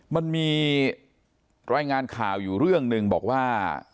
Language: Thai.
มันมีรายงานข่าวอยู่เรื่องหนึ่งบอกว่า